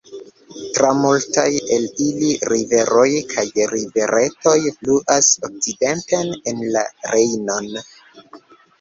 Tra multaj el ili riveroj kaj riveretoj fluas okcidenten en la Rejnon.